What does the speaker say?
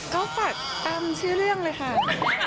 ก็ฝากตามชื่อเรื่องเลยค่ะ